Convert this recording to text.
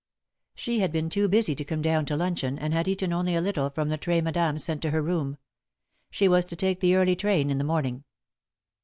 She had been too busy to come down to luncheon, and had eaten only a little from the tray Madame sent to her room. She was to take the early train in the morning.